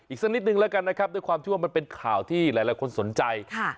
สักนิดนึงแล้วกันนะครับด้วยความที่ว่ามันเป็นข่าวที่หลายคนสนใจ